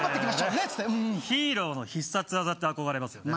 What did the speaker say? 岩井のマネヒーローの必殺技って憧れますよね。